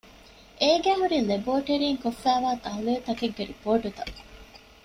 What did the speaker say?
އޭގައި ހުރީ ލެބޯޓެރީން ކޮށްފައިވާ ތަހުލީލުތަކެއްގެ ރިޕޯޓުތައް